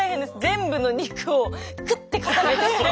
全部の肉をクッて固めて。